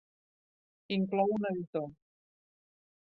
Inclou un editor.